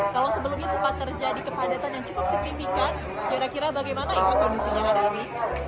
kalau sebelumnya sempat terjadi kepadatan yang cukup signifikan kira kira bagaimana kondisinya hari ini